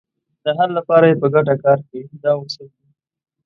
د حل لپاره یې په ګټه کار کوي دا اصول دي.